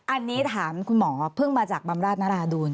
อันนี้ถามคุณหมอเพิ่งมาจากบำราชนราดูล